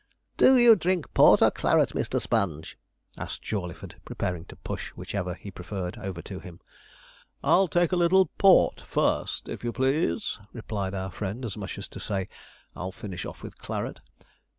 'Do you drink port or claret, Mr. Sponge?' asked Jawleyford, preparing to push whichever he preferred over to him. 'I'll take a little port, first, if you please,' replied our friend as much as to say, 'I'll finish off with claret.'